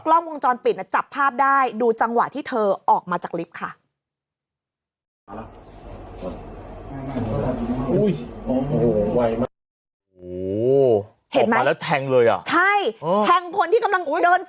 กล้องวงจรปิดจับภาพได้ดูจังหวะที่เธอออกมาจากลิฟต์ค่ะ